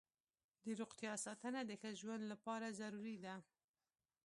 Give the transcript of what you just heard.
د روغتیا ساتنه د ښه ژوند لپاره ضروري ده.